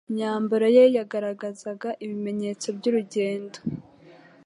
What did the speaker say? Imbayambaro ye yagaragazaga ibimenyetso by’urugendo’